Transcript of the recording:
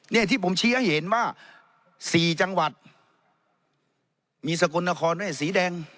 เนี่ยที่ผมชี้ให้เห็นว่าสี่จังหวัดมีสกลนครด้วยสีแดง